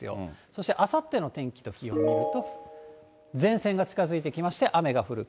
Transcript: そしてあさっての天気と気温を見ると、前線が近づいてきまして、雨が降る。